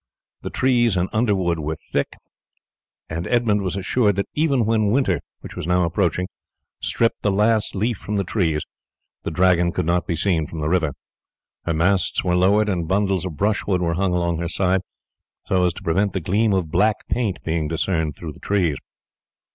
The trees and underwood were thick, and Edmund was assured that even when winter, which was now approaching, stripped the last leaf from the trees, the Dragon could not be seen from the river. Her masts were lowered, and bundles of brushwood were hung along her side so as to prevent the gleam of black paint being discerned through the trees.